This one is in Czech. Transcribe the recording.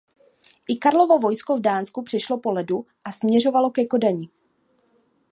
I Karlovo vojsko v Dánsku přešlo po ledu a směřovalo ke Kodani.